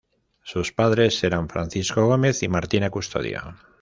Sus padres eran Francisco Gómez y Martina Custodio.